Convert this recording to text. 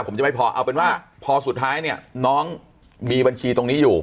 ผมจะไม่พอเอาเป็นว่าพอสุดท้ายเนี่ยน้องมีบัญชีตรงนี้อยู่